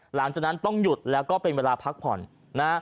หลังจากนั้นต้องหยุดแล้วก็เป็นเวลาพักผ่อนนะฮะ